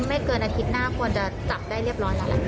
ไม่เกินอาทิตย์หน้าควรจะจับได้เรียบร้อยแล้วล่ะ